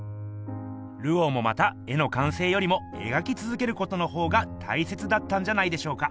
ルオーもまた絵の完成よりもえがきつづけることのほうがたいせつだったんじゃないでしょうか。